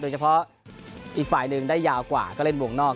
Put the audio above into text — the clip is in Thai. เฉพาะอีกฝ่ายหนึ่งได้ยาวกว่าก็เล่นวงนอก